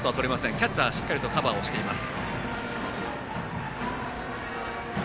キャッチャーしっかりとカバーしています。